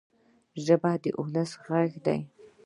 ژبه د ولس ږغ دی.